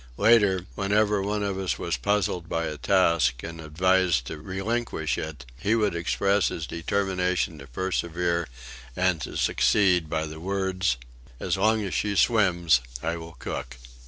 Later, whenever one of us was puzzled by a task and advised to relinquish it, he would express his determination to persevere and to succeed by the words: "As long as she swims I will cook!"